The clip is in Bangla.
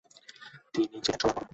তিনি ছিলেন সবার বড়।